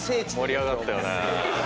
盛り上がったよね。